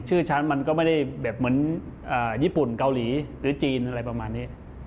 ชื่อฉันมันก็ไม่ได้แบบเหมือนญี่ปุ่นเกาหลีหรือจีนอะไรประมาณนี้